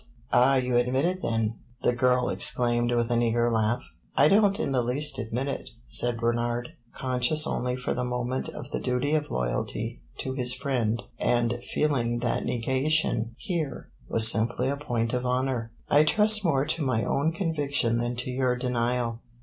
"Ah, you admit it then?" the girl exclaimed, with an eager laugh. "I don't in the least admit it," said Bernard, conscious only for the moment of the duty of loyalty to his friend and feeling that negation here was simply a point of honor. "I trust more to my own conviction than to your denial.